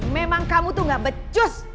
memang kamu tuh gak becus